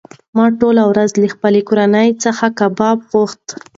ما ټوله ورځ له خپلې کورنۍ څخه کباب غوښت.